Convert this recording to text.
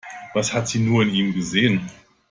Was hat sie nur in ihm gesehen?